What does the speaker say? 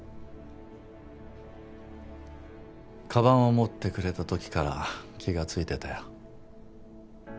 かばんを持ってくれた時から気がついてたよ。